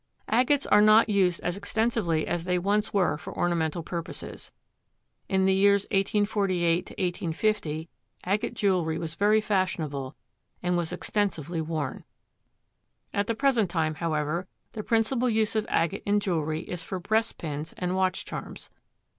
Agates are not used as extensively as they once were for ornamental purposes. In the years of 1848 50 agate jewelry was very fashionable and was extensively worn. At the present time, however, the principal use of agate in jewelry is for breastpins and watch charms.